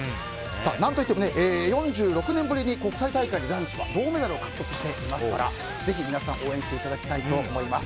何といっても４６年ぶりに国際大会で男子は銅メダルを獲得していますからぜひ皆さん応援していただきたいと思います。